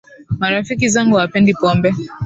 Marafiki zangu hawapendi pombe